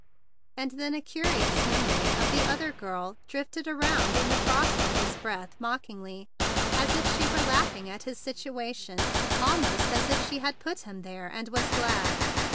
And then a curious memory of the other girl drifted around in the frost of his breath mockingly, as if she were laughing at his situation, almost as if she had put him there and was glad.